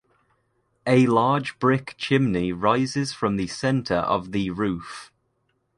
A large brick chimney rises from the center of the roof.